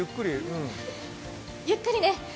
ゆっくりね。